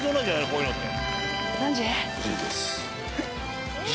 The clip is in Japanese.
こういうのって。